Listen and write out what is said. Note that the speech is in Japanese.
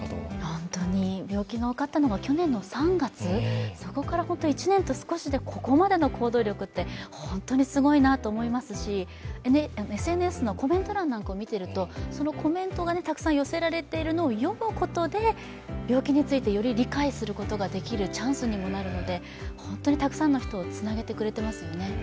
本当に病気が分かったのが、去年の３月そこから１年と少しでここまでの行動力って本当にすごいなと思いますし、ＳＮＳのコメント欄を見ているとそのコメントがたくさん寄せられているのを読むことで病気について、より理解することができるチャンスにもなるので本当にたくさんの人をつなげてくれていますよね。